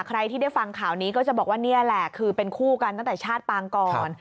ใครที่ได้ฟังข่าวนี้ก็จะบอกว่านี่แหละคือเป็นคู่กันตั้งแต่ชาติปางก่อน